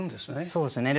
そうですね。